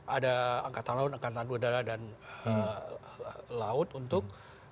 ada angkatan laut angkatan udara dan laut untuk